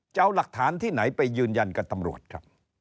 จะเอาหลักฐานที่ไหนไปยืนยันกับตำรวจครับ